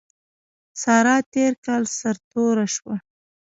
سارا تېر کال سر توره شوه.